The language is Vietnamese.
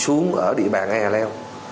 xuống ở địa bàn e leo